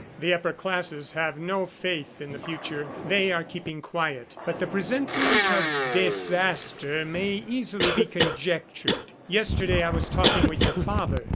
The upper classes have no faith in the future; they are keeping quiet, but the presentiment of disaster may easily be conjectured. Yesterday I was talking with your father.